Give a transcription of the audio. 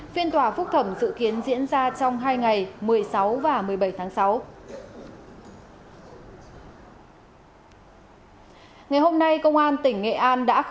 phiên tòa phúc thẩm dự kiến diễn ra trong hai ngày một mươi sáu và một mươi bảy tháng sáu